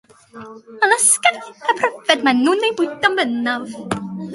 Molysgiaid a phryfed maen nhw'n eu bwyta'n bennaf.